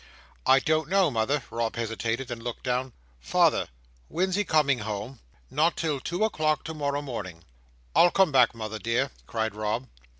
"I don't know, mother." Rob hesitated, and looked down. "Father—when's he coming home?" "Not till two o'clock to morrow morning." "I'll come back, mother dear!" cried Rob.